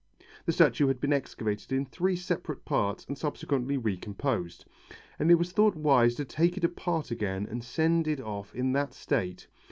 The statue had been excavated in three separate parts and subsequently recomposed, and it was thought wise to take it apart again and send it off in that state.